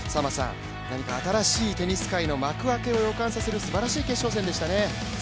何か新しいテニス界の幕開けを予感させるすばらしい決勝戦でしたね。